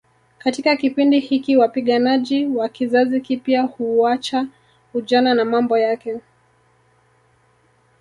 Katika kipindi hiki wapiganaji wa kizazi kipya huuacha ujana na mambo yake